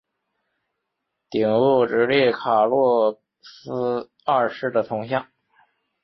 顶部矗立卡洛斯二世的铜像。